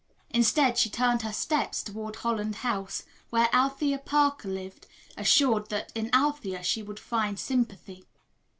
Instead she turned her steps toward Holland House, where Althea Parker lived, assured that in Althea she would find sympathy.